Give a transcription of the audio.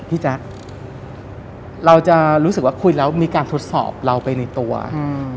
พี่แจ๊คเราจะรู้สึกว่าคุยแล้วมีการทดสอบเราไปในตัวอืม